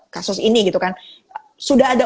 kasus ini gitu kan sudah ada